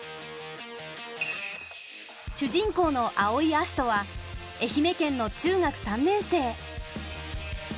主人公の青井葦人は愛媛県の中学３年生。